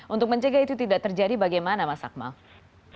untuk mencegah itu tidak terjadi bagaimana mas akmal